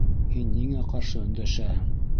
Һин ниңә ҡаршы өндәшәһең?